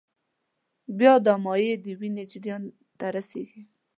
بیا دا مایع د وینې جریان ته رسېږي.